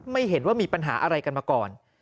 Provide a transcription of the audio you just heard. ไม่เห็นว่ามีปัญหาอะไรกันมาก่อน